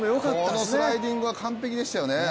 このスライディングは完璧でしたよね。